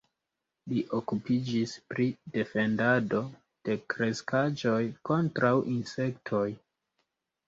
Li okupiĝis pri defendado de kreskaĵoj kontraŭ insektoj.